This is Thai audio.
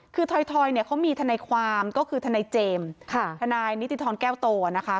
คือถอยเนี่ยเขามีทนายความก็คือทนายเจมส์ทนายนิติธรแก้วโตนะคะ